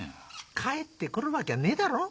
帰って来るわきゃねえだろ。